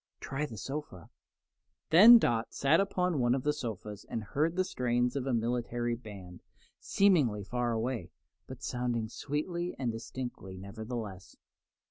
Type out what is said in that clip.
"Try the sofa." Then Dot sat upon one of the sofas, and heard the strains of a military band, seemingly far away, but sounding sweetly and distinctly, nevertheless.